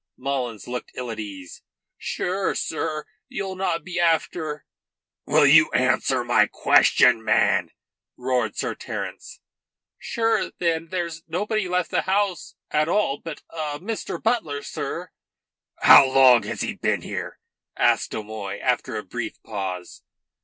Mullins looked ill at ease. "Sure, sir, you'll not be after " "Will you answer my question, man?" roared Sir Terence. "Sure, then, there's nobody left the house at all but Mr. Butler, sir." "How long had he been here?" asked O'Moy, after a brief pause.